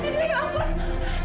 ido ya ampun